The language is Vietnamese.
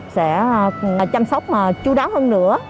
sẽ chăm sóc chú đáo hơn nữa